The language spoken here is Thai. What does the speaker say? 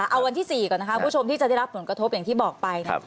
เอาวันที่๔ก่อนนะคะคุณผู้ชมที่จะได้รับผลกระทบอย่างที่บอกไปเนี่ย